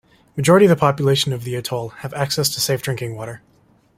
Majority of the population of the atoll have access to safe drinking water.